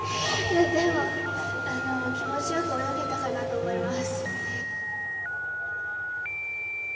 でも、気持ちよく泳げたかなと思います。